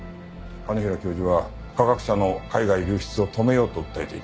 兼平教授は科学者の海外流出を止めようと訴えていた。